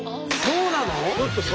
そうなの？